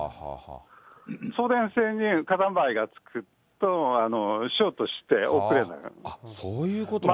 送電線に火山灰がつくと、ショートして、そういうことも。